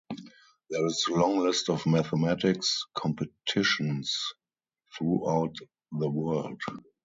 There is a long list of mathematics competitions throughout the world.